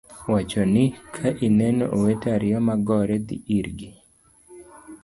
Wacho ni, "ka ineno owete ariyo ma gore, dhi irgi,